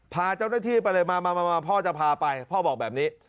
พาเจ้าหน้าที่ไปเลยมาพ่อจะพาไปพ่อบอกแบบนี้